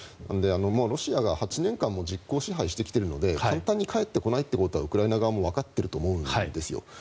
もうロシアが８年間も実効支配してきているので簡単に返ってこないってことはウクライナ側もわかっていると思うんです。